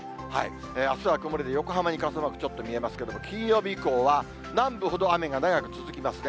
あすは曇りで、横浜に傘マーク、ちょっと見えますけれども、金曜日以降は南部ほど雨が長く続きますね。